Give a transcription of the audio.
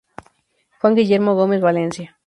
Juan Guillermo Gómez Valencia.